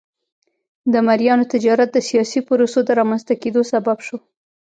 د مریانو تجارت د سیاسي پروسو د رامنځته کېدو سبب شو.